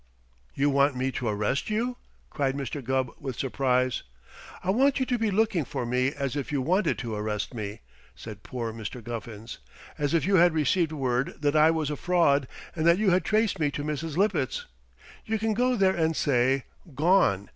"You want me to arrest you!" cried Mr. Gubb with surprise. "I want you to be looking for me as if you wanted to arrest me," said poor Mr. Guffins; "as if you had received word that I was a fraud, and that you had traced me to Mrs. Lippett's. You can go there and say: 'Gone!